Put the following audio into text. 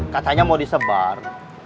katanya mau disebar